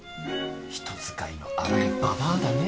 人使いの荒いババアだね。